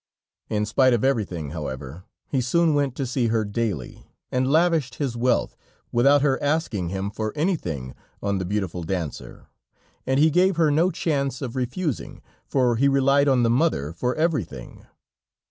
In spite of everything, however, he soon went to see her daily, and lavished his wealth, without her asking him for anything, on the beautiful dancer, and he gave her no chance of refusing, for he relied on the mother for everything.